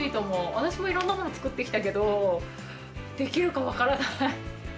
わたしもいろんなものつくってきたけどできるかわからない。